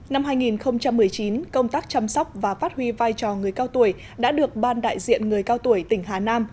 năm hai nghìn một mươi chín công tác chăm sóc và phát huy vai trò người cao tuổi đã được ban đại diện người cao tuổi tỉnh hà nam